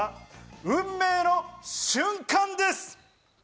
運命の瞬間です。